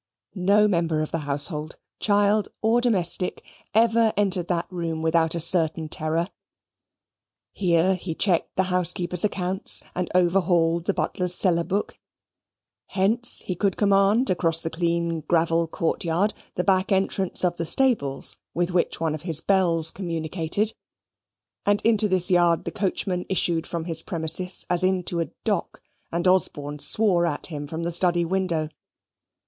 No member of the household, child, or domestic, ever entered that room without a certain terror. Here he checked the housekeeper's accounts, and overhauled the butler's cellar book. Hence he could command, across the clean gravel court yard, the back entrance of the stables with which one of his bells communicated, and into this yard the coachman issued from his premises as into a dock, and Osborne swore at him from the study window.